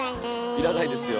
要らないですよ。